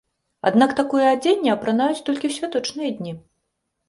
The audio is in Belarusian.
Аднак такое адзенне апранаюць толькі ў святочныя дні.